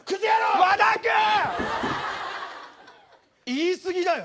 言い過ぎだよ。